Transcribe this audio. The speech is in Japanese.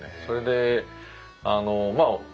それであのまあ